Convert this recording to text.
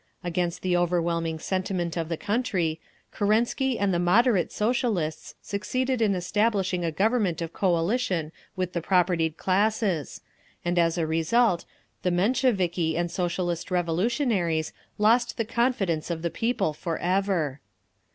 Against the overwhelming sentiment of the country, Kerensky and the "moderate" Socialists succeeded in establishing a Government of Coalition with the propertied classes; and as a result, the Mensheviki and Socialist Revolutionaries lost the confidence of the people forever.